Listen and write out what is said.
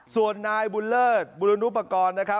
ส่วนนายบุญเลิศบุรุณุปกรณ์